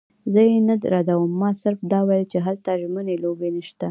زه یې نه ردوم، ما صرف دا ویل چې هلته ژمنۍ لوبې نشته.